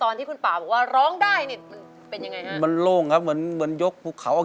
นักสู้ชีวิตแต่ละคนก็ฝ่าฟันและสู้กับเพลงนี้มากก็หลายรอบ